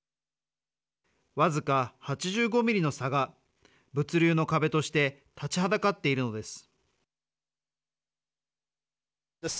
僅か８５ミリの差が物流の壁として立ちはだかっているのです。